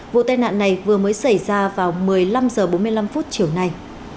vụ tai nạn này vừa mới xảy ra vào một mươi năm h bốn mươi năm chiều nay